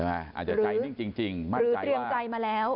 อาจจะใจนิ่งจริงมั่นใจว่า